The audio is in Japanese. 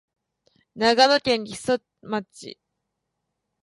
長野県木曽町